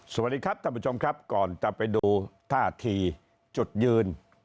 สวัสดีครับท่านผู้ชมครับก่อนจะไปดูท่าทีจุดยืน